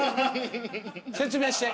説明して。